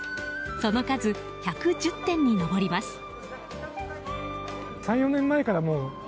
その数、１１０点に上ります。